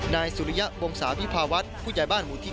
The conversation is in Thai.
นายสุริยะวงศาพิพาวัฒน์ผู้ใหญ่บ้านหมู่ที่๑